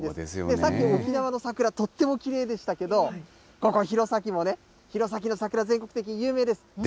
さっき、沖縄の桜、とってもきれいでしたけど、ここ、弘前もね、弘前の桜、全国的に有名です。